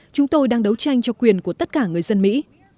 chúng tôi đang đấu tranh cho quyền của tất cả người dân mỹ